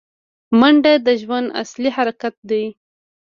منډه د ژوند اصلي حرکت دی